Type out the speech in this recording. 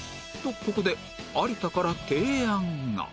ここで有田から提案が